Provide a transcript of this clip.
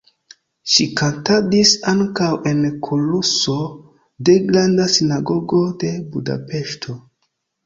Ŝi kantadis ankaŭ en koruso de Granda Sinagogo de Budapeŝto.